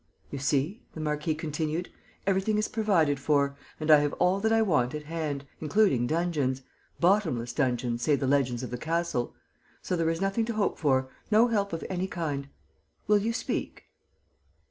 "You see," the marquis continued, "everything is provided for; and I have all that I want at hand, including dungeons: bottomless dungeons, says the legend of the castle. So there is nothing to hope for, no help of any kind. Will you speak?"